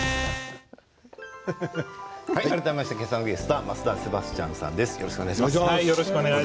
改めまして今朝のゲストは増田セバスチャンさんです。